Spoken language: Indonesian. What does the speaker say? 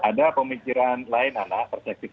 ada pemikiran lain anak perspektif